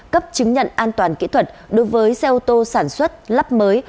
cấp chứng nhận an toàn kỹ thuật đối với xe ô tô sản xuất lắp mới